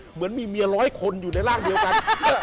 เหมือนมีเมียร้อยคนอยู่ในร่างเดียวกัน